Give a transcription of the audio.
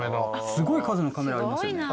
すごい数のカメラありますね。